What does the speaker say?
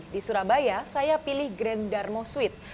di surabaya saya pilih grand darmo sweet